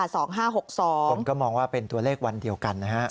ผมก็มองว่าเป็นตัวเลขวันเดียวกันนะฮะ